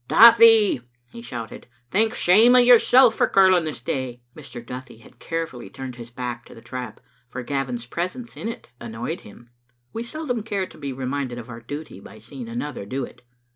Duthie," he shouted, "think shame of yourself for curling this day." Mr. Duthie had carefully turned his back to the trap, for Gavin's presence in it annoyed him. We seldom care to be reminded of our duty by seeing another do it.